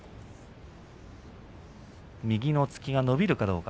右の突きが伸びるかどうか。